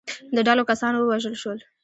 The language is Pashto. د ډلو کسان ووژل شول.